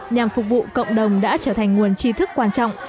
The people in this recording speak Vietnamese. nhằm phục vụ cộng đồng đã trở thành nguồn chi thức quan trọng